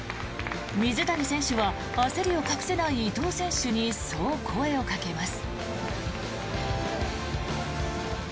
水谷選手は焦りを隠せない伊藤選手にそう声をかけます。